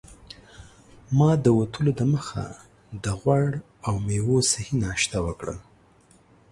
ما د وتلو دمخه د غوړ او میوو صحي ناشته وکړه.